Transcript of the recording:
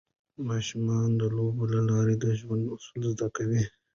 ماشومان د لوبو له لارې د ژوند اصول زده کوي.